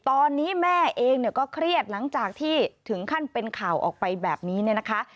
ตอนนี้แม่เองเนี่ยก็เครียดหลังจากที่ถึงขั้นเป็นข่าวออกไปแบบนี้เนี่ยนะคะ